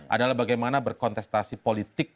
adalah bagaimana berkontestasi politik